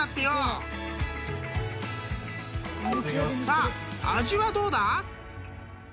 ［さあ味はどうだ？］